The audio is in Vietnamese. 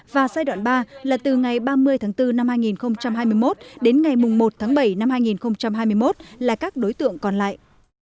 và giai đoạn ba là từ ngày ba mươi tháng bốn năm hai nghìn hai mươi một đến ngày một tháng bảy năm hai nghìn hai mươi một là các đối tượng còn lại